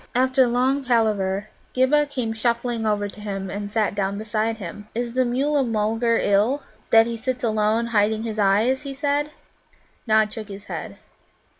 After long palaver, Ghibba came shuffling over to him, and sat down beside him. "Is the Mulla mulgar ill, that he sits alone, hiding his eyes?" he said. Nod shook his head.